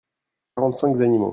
quarante cinq animaux.